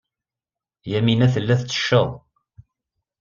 Yamina tella tettecceḍ.